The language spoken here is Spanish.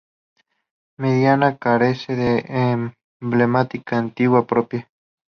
Mediana carece de emblemática antigua propia.